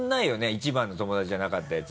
一番の友達じゃなかったヤツ。